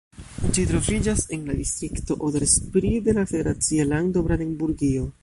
Ĝi troviĝas en la distrikto Oder-Spree de la federacia lando Brandenburgio.